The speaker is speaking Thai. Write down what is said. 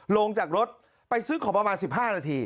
ลงจากรถไปซื้อของประมาณ๑๕นาที